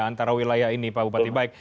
antara wilayah ini pak bupati baik